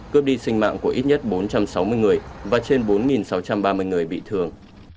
cướp đi sinh mạng của ít nhất bốn trăm sáu mươi người và trên bốn sáu trăm ba mươi người bị thương